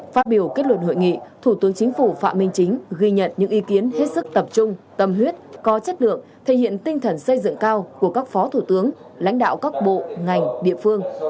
phát biểu kết luận hội nghị thủ tướng chính phủ phạm minh chính ghi nhận những ý kiến hết sức tập trung tâm huyết có chất lượng thể hiện tinh thần xây dựng cao của các phó thủ tướng lãnh đạo các bộ ngành địa phương